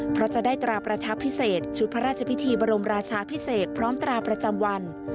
เพราะจะได้ตราประทับพิเศษชุดพระราชพิธีบรมราชาพิเศษพร้อมตราประจำวัน